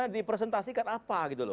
dipresentasikan apa gitu loh